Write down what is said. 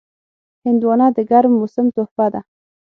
هندوانه د ګرم موسم تحفه ده.